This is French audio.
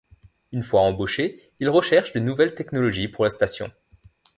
Une fois embauchés, ils recherchent de nouvelles technologies pour la station.